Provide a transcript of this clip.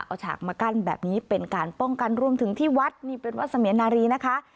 เอาฉากมากั้นแบบนี้เป็นการป้องกันรวมถึงที่วัดนี่เป็นวัดเสมียนนารีนะคะ